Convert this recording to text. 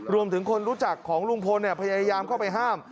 คนรู้จักของลุงพลพยายามเข้าไปห้าม